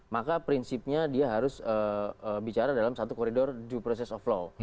maka prinsipnya dia harus bicara dalam satu koridor due process of law